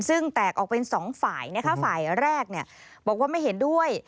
ซึ่งแตกออกเป็นสองฝ่ายนะคะฝ่ายแรกบอกว่าไม่เห็นด้วย